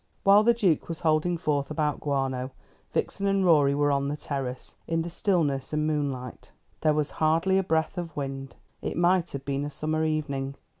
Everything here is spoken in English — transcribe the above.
While the Duke was holding forth about guano, Vixen and Rorie were on the terrace, in the stillness and moonlight. There was hardly a breath of wind. It might have been a summer evening.